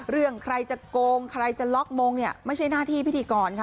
เรื่องใครจะโกงใครจะล็อกมงเนี่ยไม่ใช่หน้าที่พิธีกรค่ะ